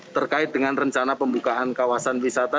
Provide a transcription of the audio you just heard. terkait dengan rencana pembukaan kawasan wisata